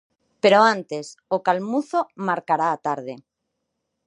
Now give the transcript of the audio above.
Pero antes, o calmuzo marcará a tarde.